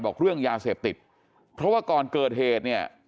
บอกเรื่องยาเสพติดเพราะว่าก่อนเกิดเหตุเนี่ย